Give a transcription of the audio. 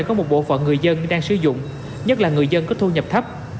của một bộ phận người dân đang sử dụng nhất là người dân có thu nhập thấp